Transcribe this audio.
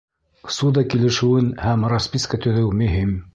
Ссуда килешеүен һәм расписка төҙөү мөһим.